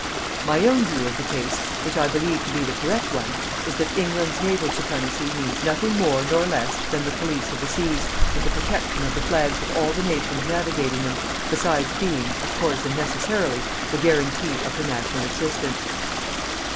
My own view of the case, which I believe to be the correct one, is that England's naval supremacy means nothing more nor less than the police of the seas, and the protection of the flags of all the Nations navigating them, besides being, of course and necessarily, the guarantee of her National existence.